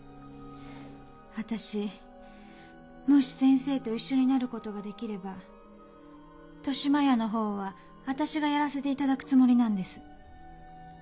私もし先生と一緒になる事ができれば豊島屋の方は私がやらせて頂くつもりなんです。